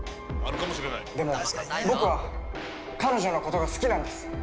でも、僕は彼女のことが好きなんです。